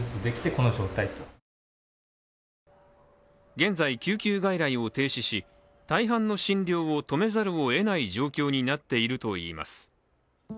現在、救急外来を停止し大半の診療を止めざるをえない状況になっていると言います。